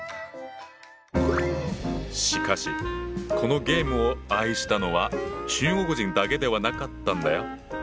しかしこのゲームを愛したのは中国人だけではなかったんだよ。